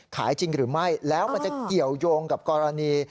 จริงหรือไม่แล้วมันจะเกี่ยวยงกับกรณี